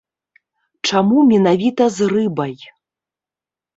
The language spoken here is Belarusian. Чаму менавіта з рыбай?